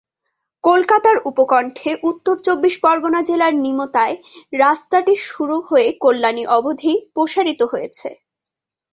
কলকাতার উপকণ্ঠে উত্তর চব্বিশ পরগনা জেলার নিমতায় রাস্তাটি শুরু হয়ে কল্যাণী অবধি প্রসারিত হয়েছে।